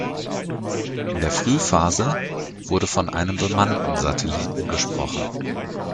In der Frühphase wurde von einem bemannten Satelliten gesprochen.